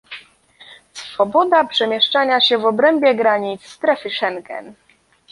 swoboda przemieszczania się w obrębie granic strefy Schengen